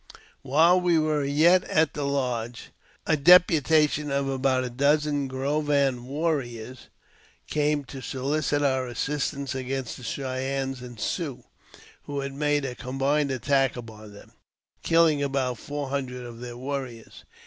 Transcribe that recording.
While we were yet at the lodge, a deputation of about a dozen Grovan warriors came to solicit our assistance against the Cheyennes and Siouxs, who had made a combined attack upon them, killing about four hundred of their warriors.